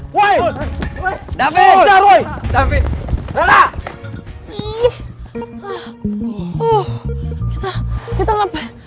kita kenapa mesti kabur gala si botol kecap